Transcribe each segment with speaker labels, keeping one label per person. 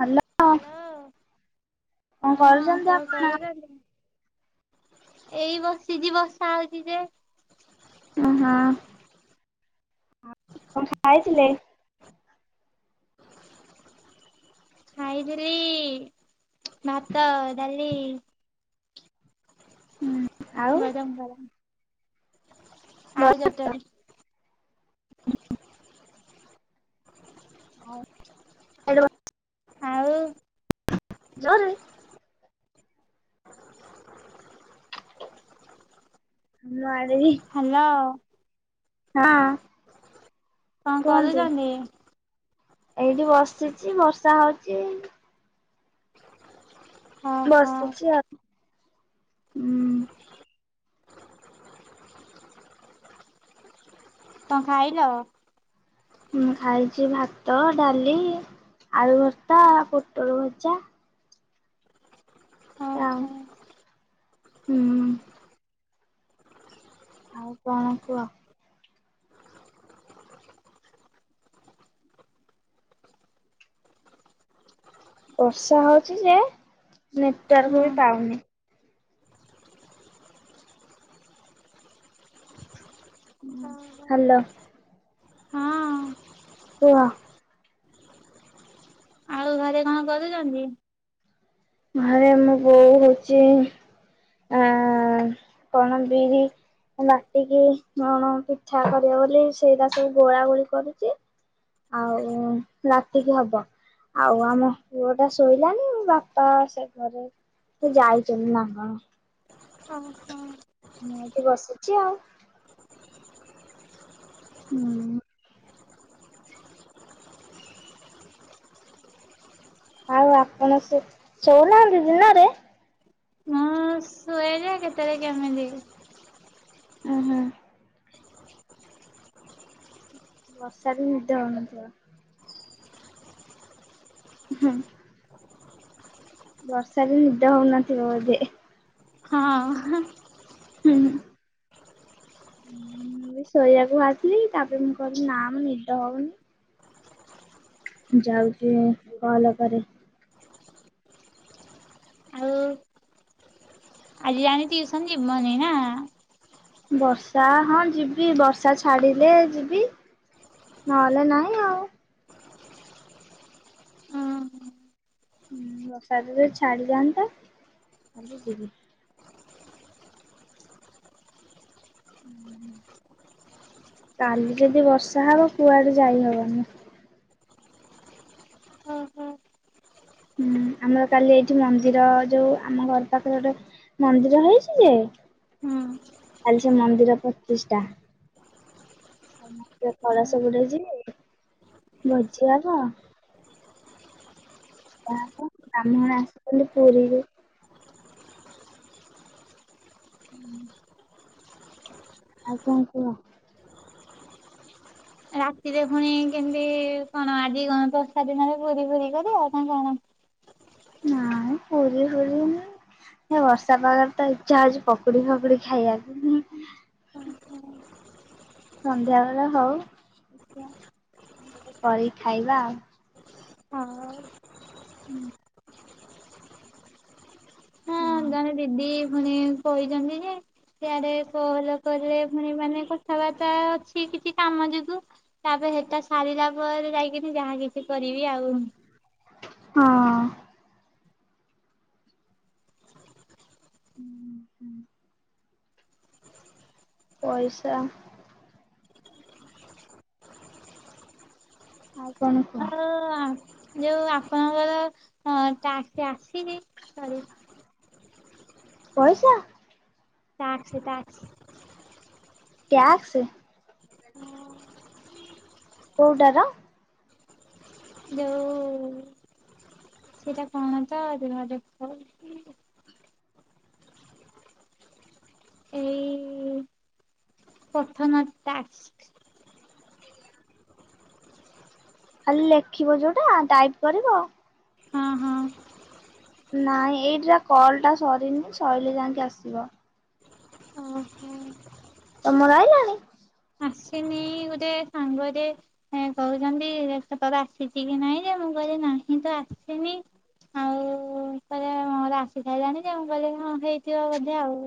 Speaker 1: Hello କଣ
Speaker 2: ହଁ
Speaker 1: କରୁଛନ୍ତି
Speaker 2: କଣ
Speaker 1: ଆପଣ?
Speaker 2: କରୁଛନ୍ତି? ଏଇ ବସିଛିି ବର୍ଷା ହଉଛି ଯେ
Speaker 1: ଉଁ ହଁ କଣ ଖାଇଥିଲେ? [inaudible]
Speaker 2: ଖାଇଥିରି ଭାତ ଡାଲି
Speaker 1: ଆଉ
Speaker 2: ଗରମ ଗରମ୍ ଆଳୁ ଚଟଣି।
Speaker 1: ହଁ ହେଲୋ [unintelligible]
Speaker 2: ଆଉ
Speaker 1: ଜୋରେ
Speaker 2: [inaudible]
Speaker 1: ମୁଁ ଆଣିବି
Speaker 2: ହ୍ୟାଲୋ।
Speaker 1: ହଁ
Speaker 2: କଣ
Speaker 1: କୁହନ୍ତୁ।
Speaker 2: କରୁଛନ୍ତି?
Speaker 1: ଏଇଠି ବସିଛି ବର୍ଷା ହଉଛି।
Speaker 2: ଓହୋ
Speaker 1: ବସୁଛି ଆଉ। ହୁଁ
Speaker 2: କଣ ଖାଇଲ।
Speaker 1: ମୁଁ ଖାଇଛି ଭାତ ଡାଲି ଆଳୁ ଭତ୍ତା ପୋଟଳ ଭଜା। ଆଉ
Speaker 2: ଓହୋ
Speaker 1: ହୁଁ। ଆଉ କଣ କୁହ? ବର୍ଷା ହଉଚି ଯେ ନେଟୱାର୍କ ବି ପାଉନି। ହୁଁ
Speaker 2: ହଁ
Speaker 1: ହାଲୋ।
Speaker 2: ହଁ
Speaker 1: କୁହ?
Speaker 2: ଆଉ ଘରେ କଣ କରୁଛନ୍ତି?
Speaker 1: ଘରେ ମୋ ବୋଉ ହଉଛି ଅ କଣ ବିରି ବାଟିକି କଣ ପିଠା କରିବ ବୋଲି ସେଇଟା ସବୁ ଗୋଳା ଗୋଳି କରୁଛି। ଆଉ ଉଁ ରାତିକି ହବ ଆଉ ଆମ ପୁଅଟା ଶୋଇଲାଣିି ବାପ ପା ସେ ଘରେ ସେ ଯାଇଛନ୍ତି ନା କଣ।
Speaker 2: ଓ ହଁ।
Speaker 1: ମୁଁ ଏଠି ବସିଛି ଆଉ। ହୁଁ। ଆଉ ଆପଣ ସେ ଶଉନାହାନ୍ତି ଦିନରେ?
Speaker 2: ନାଁ ଶ୍ ଶୋଏ ଯେ କେତେବେଳେ କେମିତି।
Speaker 1: ଉଁ ହୁଁ। ବର୍ଷାରେ ନିଦ ହଉନଥିବ। ହୁଁ। ବର୍ଷାରେ ନିଦ ହଉନଥିବ ବୋଧେ?
Speaker 2: ହଁ।
Speaker 1: ହୁଁ। ହୁଁ ମୁଁ ଶୋଇଆକୁ ବାହାରିଥିଲି ତାପରେ ମୁଁ କହିଲି ନା ମ ନିଦ ହଉନି। ଯାଉଛି କଲ କରେ।
Speaker 2: ଆଉ ଆଜି ଜାଣି ଟିୟୁସନ ଯିବନି ନା!
Speaker 1: ବର୍ଷା ହଁ ଯିବି ବର୍ଷା ଛାଡିଲେ ଯିବି। ନହେଲେ ନାଇଁ ଆଉ। ହୁଁ ବର୍ଷା ଯଦି ଛାଡିଯାଆନ୍ତା ତାହେଲେ ଯିବି। ହୁଁ କାଲି ଯଦି ବର୍ଷା ହବ କୁଆଡେ ଯାଇ ହବନି।
Speaker 2: ଓହୋ
Speaker 1: ହୁଁ ଆମର କାଲି ଏଇଠି ମନ୍ଦିର ଯୋଉ ଆମ ଘର ପାଖରେ ଗୋଟେ ମନ୍ଦିର ହେଇଛି ଯେ
Speaker 2: ହଁ।
Speaker 1: କାଲି ସେ ମନ୍ଦିର ପ୍ରତିଷ୍ଟା। ସମସ୍ତେ କଳଶ ବୁଡେଇ ଯିବେ ଭୋଜି ହବ ଗାଁ କୁ ବ୍ରାହ୍ମଣ ଆସିଥିଲେ ପୁରୀରୁ। ହୁଁ ଆଉ କଣ କୁହ?
Speaker 2: ରାତିରେ ଫୁଣି କେମିତି କଣ ଆଜି କଣ ବର୍ଷା ଦିନରେ ପୁରୀ ଫୁରୀ କରିବ ଆଉ [unintelligible]
Speaker 1: ନାଇଁ ପୁରୀ ହୁଏ କି ନାଇଁ। ଏ ବର୍ଷା ପାଗରେ ତ ଇଛା ହଉଛି ପକୁଡି ଫକୁଡି ଖାଇବାକୁ।
Speaker 2: [unintelligible]
Speaker 1: ସନ୍ଧ୍ୟାବେଳେ ହଉ ଦେଖିଆ କଣ ଗୋଟେ କରିକି ଖାଇବା ଆଉ।
Speaker 2: ହଉ।
Speaker 1: ହୁଁ। ହଁ।
Speaker 2: ଜଣେ ଦିଦି ଫୁଣି କହିଛନ୍ତି ଯେ ସିଆଡେ କଲ କଲେ ପୁଣି ମାନେ କଥାବାର୍ତ୍ତା ଅଛି କିଛି କାମ ଯୋଗୁ ତାପରେ ସେଟା ସାରିଲା ପରେ ଯାଇକିନି ଯାହା କିଛି କରିବି ଆଉ।
Speaker 1: ହଁ। ହୁଁ। ପଇଷା ଆଉ କଣ କୁହ?
Speaker 2: ଆଉ ଯୋଉ ଆପଣଙ୍କର ଟ୍ୟାକ୍ସ ଆସିନି ସରି।
Speaker 1: ପଇଷା
Speaker 2: ଟ୍ୟାକ୍ସ ଟ୍ୟାକ୍ସ।
Speaker 1: ଟ୍ୟାକ୍ସ। କୋଉଟାର?
Speaker 2: ଯୋଉ ସେଇଟା କଣ ତ ରୁହ ଦେଖୋଉଚି। ଏଇ ପଠନ ଟ୍ୟାକ୍ସ।
Speaker 1: ଖାଲି ଲେଖିବ ଯୋଉଟା ଟାଇପ୍ କରିବ।
Speaker 2: ହଁ ହଁ।
Speaker 1: ନାଇଁ ଏଇଟା କଲ୍ ଟା ସରିନି ସ‌ଇଲେ ଯାଁଇକି ଆସିବ।
Speaker 2: ଓହୋ।
Speaker 1: ତମର ଆଇଲାଣି?
Speaker 2: ଆସିନି ଗୋଟେ ସାଙ୍ଗଟେ ହେଁ କୋହୁଚନ୍ତି ଦେଖ ତୋର ଆସିଚି କି ନାଇଁ ଯେ ମୁଁ କହିଲି ନାହିଁ ତ ଆସିନି। ଆଉ କହିଲେ ମୋର ଆସି ସାଇଲାଣି ଯେ। ମୁଁ କହିଲି ହଁ ହେଇଥିବ ବୋଧେ ଆଉ।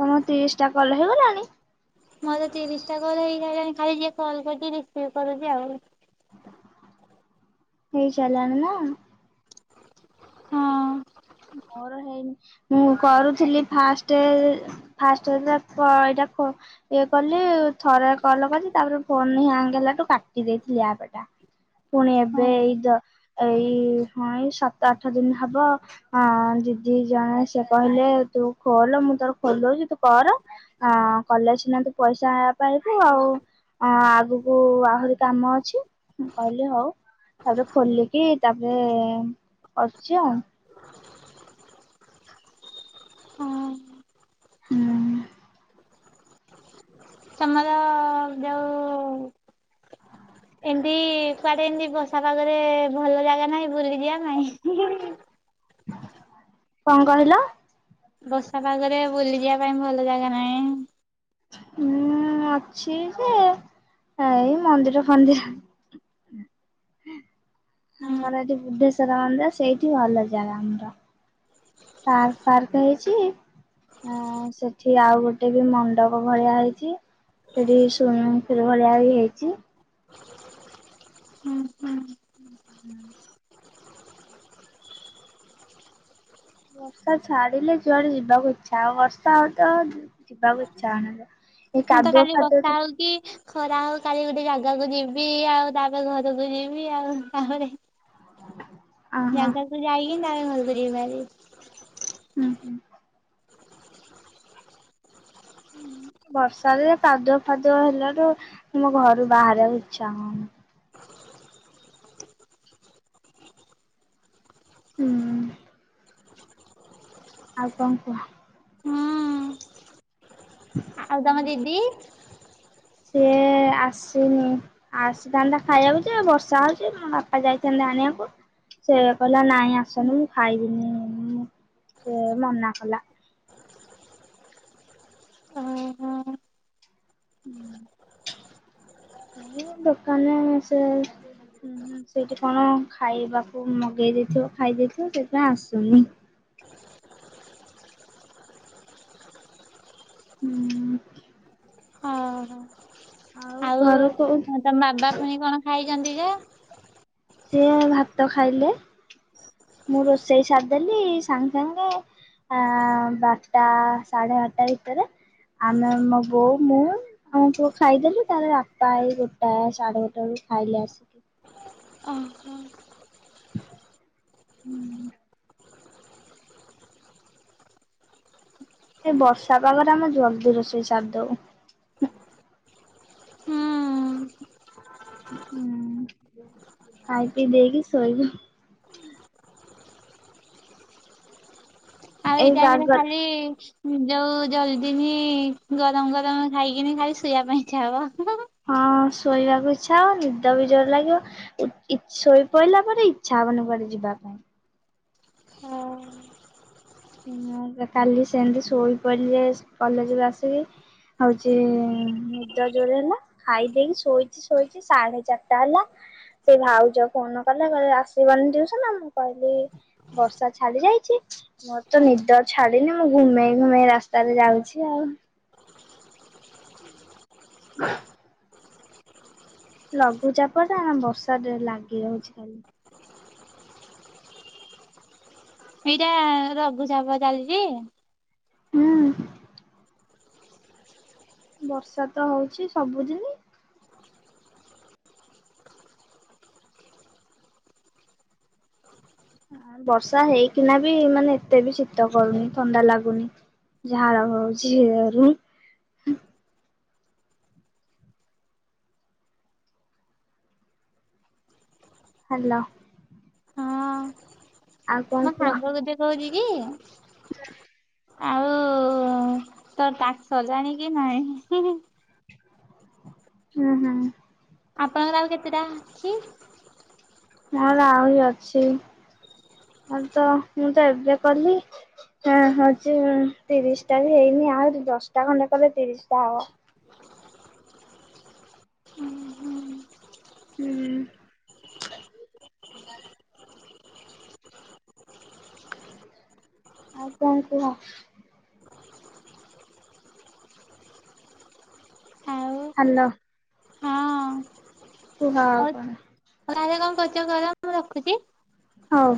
Speaker 1: ତମ ତିରିଶଟା କଲ୍ ହେଇଗଲାଣି?
Speaker 2: ମୋର ତ ତିରିଶ ଟା କଲ୍ ହେଇସାଇଲାଣି ଖାଲି ଯିଏ କଲ୍ କରୁଚି ରିସିଭ୍ କରୁଚି ଆଉ।
Speaker 1: ହେଇସାଇଲାଣି ନା?
Speaker 2: ହଁ।
Speaker 1: ମୋର ହେଇନି ମୁଁ କରୁଥିଲି ଫାଷ୍ଟେ ଫାଷ୍ଟ ଦେଇଥିଲା ଫୋ ଏଇଟା ଫୋ ଇଏ କଲି ଥରେ କଲ୍ କଲି ତାପରେ ଫୋନ ହ୍ୟାଙ୍ଗ ହେଲାଠୁ କାଟି ଦେଇଥିଲି ଆପ୍ ଟା। ପୁଣି ଏବେ ଏଇ ଏଇ ଦ ଏଇ ହଁ ସାତ ଆଠ ଦିନ ହବ। ହଁ ଦିଦି ଜଣେ ସେ କହିଲେ ତୁ ଖୋଲ ମୁଁ ତୋର ଖୋଲି ଦୋଉଚି ତୁ କର। ହଁ କଲେ ସିନା ତୁ ପଇଷା ପାଇବୁ ଆଉ। ହଁ ଆଗକୁ ଆହୁରି କାମ ଅଛିଁ ମୁଁ କହିଲି ହୋଉ। ତାପରେ ଖୋଲିକି ତାପରେ କରୁଚି ଆଉ।
Speaker 2: ହଁ
Speaker 1: ହୁଁ।
Speaker 2: ତମର ଯୋଉ ଏମତି କୁଆଡେ ଏମିତି ବର୍ଷା ପାଗରେ ଭଲ ଜାଗା ନାହିଁ ବୁଲି ଯିବା ପାଇଁ?
Speaker 1: କଣ କହିଲ?
Speaker 2: ବର୍ଷା ପାଗରେ ବୁଲି ଯିବା ପାଇଁ ଭଲ ଜାଗା ନାଇଁ।
Speaker 1: ଉଁ ଅଛି ଯେ ଏଇ ମନ୍ଦିର ଫନ୍ଦିର।
Speaker 2: ହୁଁ
Speaker 1: ଆମର ଏଠି ବୁଦ୍ଧେଶ୍ଵର ମନ୍ଦିର ସେଇଠି ଭଲ ଯାଗା ଆମର। ପାର୍କ ଫାର୍କ ହେଇଚି। ହଁ ସେଠି ଆଉ ଗୋଟେ ବି ମଣ୍ଡପ ଭଳିଆ ହେଇଚି। ସେଠି ଶୁଇମିଙ୍ଗ ପୁଲ ଭଳିଆ ବି ହେଇଚି।
Speaker 2: ହୁଁ ହୁଁ
Speaker 1: ହୁଁ ହୁଁ। ବର୍ଷା ଛାଡିଲେ ଯୁଆଡେ ଯିବାକୁ ଇଚ୍ଛା ହବ ବର୍ଷା ହୋଉଥିବ ଯିବାକୁ ଇଚ୍ଛା ହୋଉ ନଥିବ।
Speaker 2: ମୁଁ ତ କାଲି ବର୍ଷା ହୋଉ କି ଖରା ହୋଉ କାଲି ଗୋଟେ ଜାଗାକୁ ଯିବି ଆଉ ତାପରେ ଘରକୁ ଯିବି ଆଉ ତାପରେ
Speaker 1: ଅ ହଁ
Speaker 2: ଜାଗାକୁୁ ଯାଇକିନି ତାପରେ ଘରକୁ ଯିବିହାରି।
Speaker 1: ଉଁ ହୁଁ। ବର୍ଷାରେ କାଦୁଅ ଫାଦୁଆ ହେଲାଟୁ ମୁଁ ଘରୁ ବାହାରିବାକୁ ଇଚ୍ଛା ହୋଉନି। ଉଁ ହୁଁ। ଆଉ କଣ କୁହ।
Speaker 2: ହୁଁ
Speaker 1: [inaudible]
Speaker 2: ଆଉ ତମ ଦିଦି?
Speaker 1: ସେ ଆସୁନି। ଆସିଥାନ୍ତା ଖାଇବାକୁ ଯେ ବର୍ଷା ହଉଛି ମୋ ବାପା ଯାଇଥାନ୍ତେ ଆଣିବାକୁ। ସେ କହିଲା ନାଇଁ ଆସନି ମୁଁ ଖାଇବିନି ସେ ମନା କଲା।
Speaker 2: ଓହୋ
Speaker 1: ହୁଁ। ଦୋକାନ ଲଣି ସେ ହୁଁ ହୁଁ ସେଇଠି କଣ ଖାଇବାକୁ ମଗେଇ ଦେଇେଇଥିବ ଖାଇ ଦେଇେଇଥିବ ସେଥିପାଇଁ ଆସୁନି। ହୁଁ।
Speaker 2: ହଁହଁ।
Speaker 1: ଆଉ ଘର କଉଠ
Speaker 2: ହଁ ତ ବାବା ପୁଣି କଣ ଖାଇଛନ୍ତି ଯେ?
Speaker 1: ସିଏ ଭାତ ଖାଇଲେ ମୁଁ ରୋଷେଇ ସାରିଦେଲି ସାଙ୍ଗେ ସାଙ୍ଗେ। ଆ ବାପା ସାଢେ ଆଟା ଭିତରେ ଆମେ ମମ ବୋଉ ମୁଁ ଆଉ କ ଖାଇଦେଲେ ତାପରେ ବାପା ଏଇ ଗୋଟା ସାଡେ ଗୋଟା ବେୁ ଖାଇଲେ ଆସିବ
Speaker 2: ଆହ।
Speaker 1: ସେ ବର୍ଷା ପାଗରେ ଆମେ ଜଲ୍ଦି ରଷେଇ ସାରିଦଉ।
Speaker 2: ହୁଁ
Speaker 1: ହୁଁ ଖଇ ପି ଦେଇକି ଶୋଇବୁ।
Speaker 2: ଆଉ
Speaker 1: ଏଇ
Speaker 2: ଏଇଟାମେ
Speaker 1: ପାଗ
Speaker 2: ଖାଲି ଯୋଉ ଜଲଦିିନି ଗରମ ଗରମ ଖାଇକିନି ଖାଲି ଶୋଇବା ପାଇଁ ଇଚ୍ଛା ହବ।
Speaker 1: ହଁ ଶୋଇବାକୁ ଇଛା ହବ ନିଦ ବି ଜୋର ଲାଗିବ। ଶୋଇ ପଡିଲା ପରେ ଇଚ୍ଛା ହବନି କୁଆଡେ ଯିବା ପାଇଁ।
Speaker 2: ହଁ।
Speaker 1: କାଲି ସେମିତି ଶୋଇ ପଡ଼ିଲେ କଲେଜରୁୁ ଆସିକି। ହଉଛି ନିଦ ଜୋରେ ହେଲା। ଖାଇଦେଇକି ଶୋଇଛି ଶୋଇଛି ସାଢେ ଚାରିଟା ହେଲା ସେ ଭାଉଜ ଫୋନ କଲେ କହିଲେ ଆସିବନି ଟିଉଉସ ନା ମୁଁ କହିଲି ବର୍ଷା ଛାଡି ଯାଇଛି। ମୋର ତ
Speaker 2: ହଁ।
Speaker 1: ନିଦ ଛାଡିନି ମୁଁ ଘୁମେଇ ଘୁମେଇ ରାସ୍ତାରେ ଯାଉଛି ଆଉ। [inaudible] ଲଘୁଚାପ ଟା ବର୍ଷା ଲାଗି ରହୁଛି ଖାଲି।
Speaker 2: ଏଇଟା ରଘୁଚାପ ଚାଲିଛି।
Speaker 1: ହୁଁ ବର୍ଷା ତ ହଉଛି ସବୁ ଦିନି। ବର୍ଷା ହେଇକିନା ବି ମାନେ ଏତେ ବି ଶୀତ କରୁନି ଥଣ୍ଡା ଲାଗୁନି। ଝାଡ ହଉଛିଝିରୁ। ହାଲୋ। ଆଉ କଣ
Speaker 2: ମୋ
Speaker 1: କୁହ?
Speaker 2: ସାଙ୍ଗକୁଧେ କହୁଛି କି? ଆଉ ତୋର ତାକ୍ ସଜାଣି କି ନହିଁ।
Speaker 1: ହୁଁ ହୁଁ।
Speaker 2: ଆପଣଙ୍କର ଆଉ କେତେଟା ଅଛି?
Speaker 1: ମୋର ଆହୁରି ଅଛି ଆଉ ତ ମୁଁ ତ ଏବେ କଲି। ହଁ ହଉଛି ତିରିଶ ଟା ବି ହେଇନି ଆହୁରି ଦଶଟା ଖଣ୍ଡେ କଲେ ତିରିଶଟା ହବ। ହୁଁ। ଆଉ କଣ କୁହ।
Speaker 2: ଆଉ
Speaker 1: ହାଲୋ।
Speaker 2: ହଁ
Speaker 1: କୁହ ଆଉ କଣ।
Speaker 2: ଘରେ କଣ କରୁଚ କର ମୁଁ ରଖୁଚି।
Speaker 1: ହଉ।